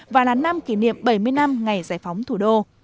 và là năm kỷ niệm bảy mươi năm ngày giải phóng thủ đô